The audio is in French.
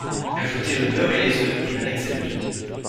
Ajouter le beurre et les œufs et malaxer le tout